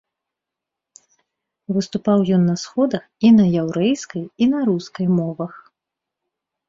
Выступаў ён на сходах і на яўрэйскай і на рускай мовах.